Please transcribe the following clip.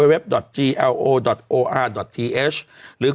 เป็นการกระตุ้นการไหลเวียนของเลือด